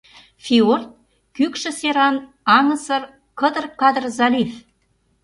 Фиорд — кӱкшӧ серан аҥысыр, кыдыр-кадыр залив.